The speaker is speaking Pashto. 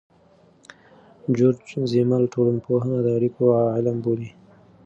جورج زیمل ټولنپوهنه د اړیکو علم بولي.